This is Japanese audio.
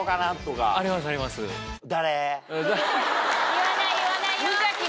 言わない言わないよ。